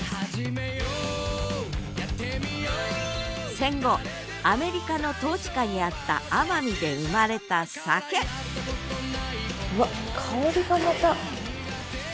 戦後アメリカの統治下にあった奄美で生まれた酒うわっ香りがまた。